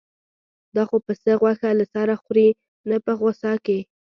دا خو پسه غوښه له سره خوري نه په غوسه کې.